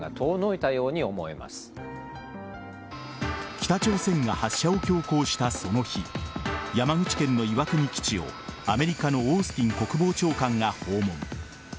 北朝鮮が発射を強行したその日山口県の岩国基地をアメリカのオースティン国防長官が訪問。